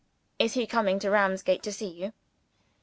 Is he coming to Ramsgate to see you?"